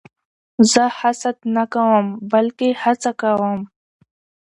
زه حسد نه کوم؛ بلکې هڅه کوم.